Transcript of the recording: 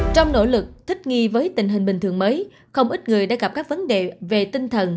trong nỗ lực thích nghi với tình hình bình thường mới không ít người đã gặp các vấn đề về tinh thần